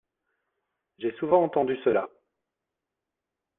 J’ai souvent entendu cela.